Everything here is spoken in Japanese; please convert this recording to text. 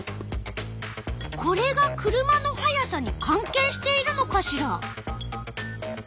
これが車の速さに関係しているのかしら。